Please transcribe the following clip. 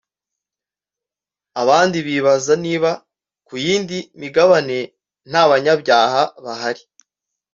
abandi bibaza niba ku yindi migabane ntabanyabyaha bahari